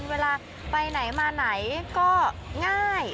เวลาไปไหนมาไหนก็ง่าย